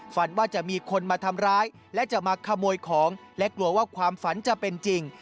ฝันว่าจะมีคนมาทำร้ายและจะมาขโมยของและกลัวว่าความฝันจะเป็นจริง